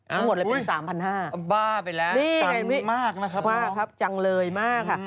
ทั้งหมดเลยเป็น๓๕๐๐บาทบ้าไปแล้วจังมากนะครับจังเลยมากค่ะ